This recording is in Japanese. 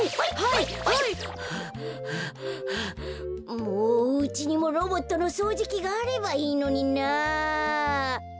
もううちにもロボットのそうじきがあればいいのにな。